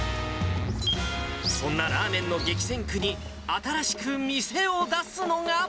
そんなラーメンの激戦区に、新しく店を出すのが。